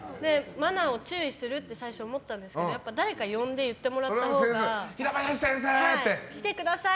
マナーを注意するって最初思ったんですけどやっぱ、誰か呼んで言ってもらったほうが。来てください！